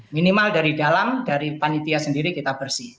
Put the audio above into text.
minimal dari dalam dari panitia sendiri kita bersih